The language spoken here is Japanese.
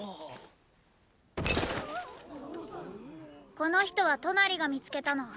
この人はトナリが見付けたの。